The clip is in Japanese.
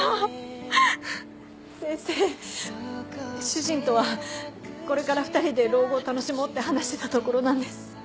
主人とはこれから２人で老後を楽しもうって話してたところなんです。